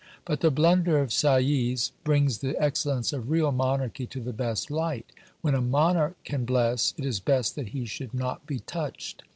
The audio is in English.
But the blunder of Sieyes brings the excellence of real monarchy to the best light. When a monarch can bless, it is best that he should not be touched.